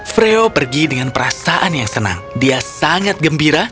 freo pergi dengan perasaan yang senang dia sangat gembira